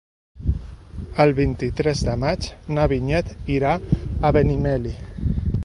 El vint-i-tres de maig na Vinyet irà a Benimeli.